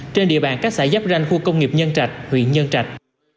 trên địa bàn các xã giáp ranh khu công nghiệp nhân trạch huyện nhân trạch